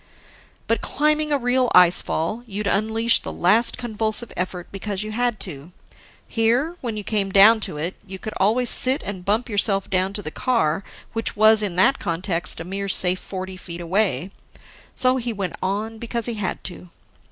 But, climbing a real ice fall, you'd unleash the last convulsive effort because you had to. Here, when you came down to it, you could always sit and bump yourself down to the car which was, in that context, a mere safe forty feet away. So he went on because he had to.